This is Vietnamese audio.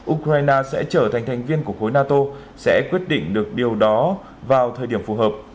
ukraine sẽ trở thành thành viên của khối nato sẽ quyết định được điều đó vào thời điểm phù hợp